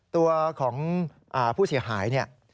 ตัวของผู้เสียหายเนี่ย